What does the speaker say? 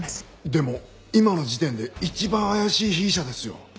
でも今の時点で一番怪しい被疑者ですよ。